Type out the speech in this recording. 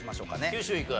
九州いく？